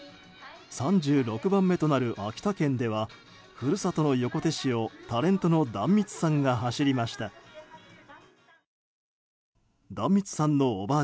３６番目となる秋田県ではふるさとの横手市をタレントの壇蜜さんが走りました。